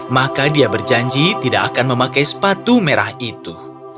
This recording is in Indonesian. maka dia berjanji tidak akan memakai sepatu merah itu